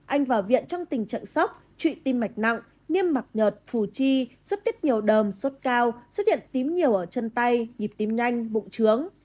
anh vào viện trong tình trạng sốc trụy tim mạch nặng niêm mạc nhợt phù chi xuất tiết nhiều đờm sốt cao xuất hiện tím nhiều ở chân tay nhịp tim nhanh bụng trướng